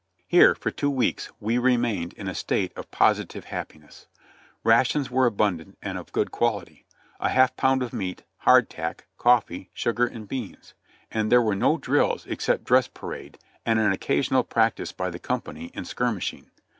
Here for two weeks we remained in a state of positive happi ness ; rations were abundant and of good quality, a half pound of meat, hard tack, coffee, sugar and beans ; and there were no drills except dress parade, and an occasional practice by the company in skirmishing.